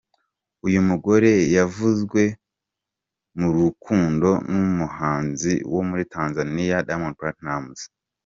Uyu mugore yavuzwe mu rukundo n’umuhanzi wo muri Tanzania Diamond Platnmuz.